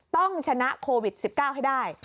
ต้องชนะโควิด๑๙ให้ได้